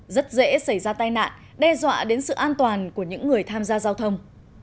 rất dễ xảy ra tai nạn đe dọa đến sự an toàn của những người tham gia giao thông